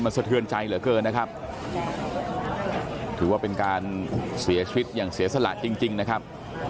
สะเทือนใจเหลือเกินนะครับถือว่าเป็นการเสียชีวิตอย่างเสียสละจริงนะครับ